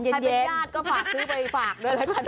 ใครเป็นญาติก็ฝากซื้อไปฝากด้วยละกันนะคะ